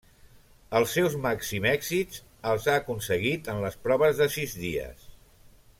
Els seus màxims èxits els ha aconseguit en les proves de sis dies.